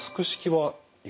はい。